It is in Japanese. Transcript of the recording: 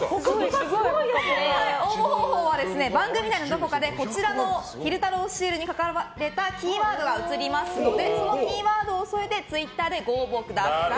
応募方法は番組内のどこかでこちらのシールに書かれたキーワードが映りますのでそのキーワードを添えてツイッターでご応募ください。